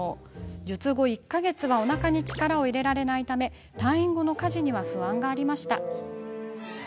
術後１か月はおなかに力を入れられないため退院後の家事には不安がありました。